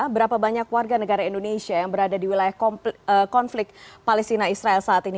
berapa banyak warga negara indonesia yang berada di wilayah konflik palestina israel saat ini